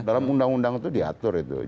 dalam undang undang itu diatur itu